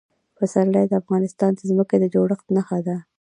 پسرلی د افغانستان د ځمکې د جوړښت نښه ده.